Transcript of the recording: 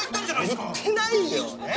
言ってないよ！ねぇ。